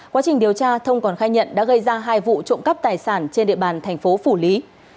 quá trình điều tra thông còn khai nhận đã gây ra hai vụ trộm cắp tài sản trên địa bàn thành phố phủ lý